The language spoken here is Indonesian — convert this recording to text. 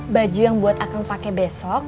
baju yang buat akang pake besok